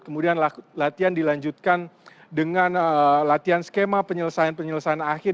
kemudian latihan dilanjutkan dengan latihan skema penyelesaian penyelesaian akhir